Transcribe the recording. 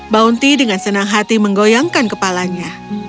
bounty dengan senang hati menggoyangkan kepalanya